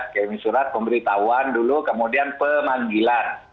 kirim surat pemberitahuan dulu kemudian pemanggilan